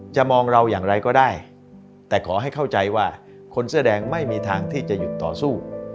มองเราอย่างไรก็ได้แต่ขอให้เข้าใจว่าคนเสื้อแดงไม่มีทางที่จะหยุดต่อสู้